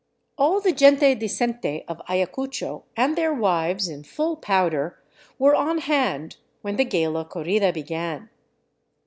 All the gente decente of Ayacucho and their wives, in full powder, were on hand when the gala corrida began.